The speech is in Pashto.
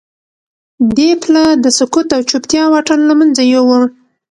دې پله د سکوت او چوپتیا واټن له منځه یووړ